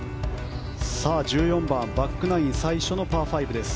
１４番バックナイン最初のパー５です。